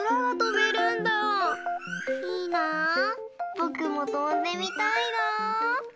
ぼくもとんでみたいな。